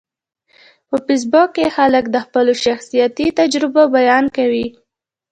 په فېسبوک کې خلک د خپلو شخصیتي تجربو بیان کوي